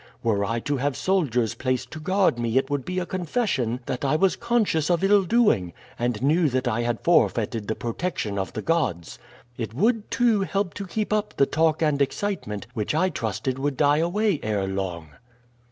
Were I to have soldiers placed to guard me it would be a confession that I was conscious of ill doing, and knew that I had forfeited the protection of the gods. It would, too, help to keep up the talk and excitement, which I trusted would die away ere long."